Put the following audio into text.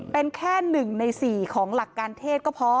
เป็นแค่๑ใน๔ของหลักการเทศก็พอ